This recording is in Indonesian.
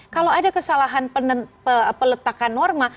kalau ada kesalahan peletakan norma